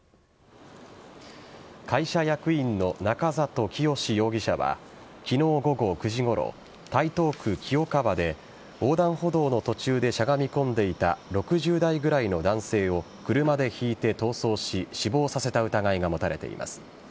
会社役員の中里潔史容疑者は昨日午後９時ごろ、台東区清川で横断歩道の途中でしゃがみ込んでいた６０代ぐらいの男性を車でひいて逃走し死亡させた疑いが持たれています。